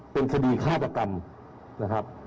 เป็นคดีฆาตกรรมนะครับ